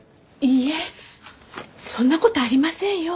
いいえそんなことありませんよ